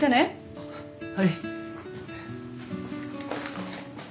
あっはい。